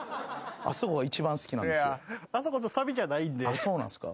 あっそうなんすか。